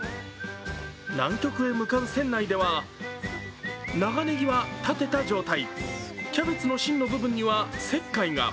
南極へ向かう船内では長ネギは立てた状態、キャベツの芯の部分には石灰が。